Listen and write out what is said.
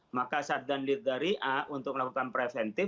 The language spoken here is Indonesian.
maka saddan lidari untuk melakukan preventif